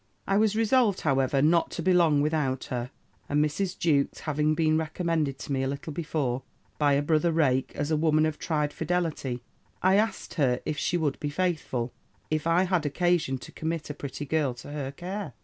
"I was resolved, however, not to be long without her; and Mrs. Jewkes having been recommended to me a little before, by a brother rake, as a woman of tried fidelity, I asked her if she would be faithful, if I had occasion to commit a pretty girl to her care?